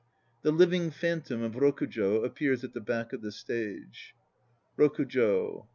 (The living phantasm of ROKUJO appears at the back of the stage.) ROKUJO.